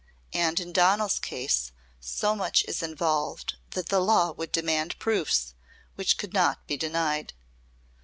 And in Donal's case so much is involved that the law would demand proofs which could not be denied.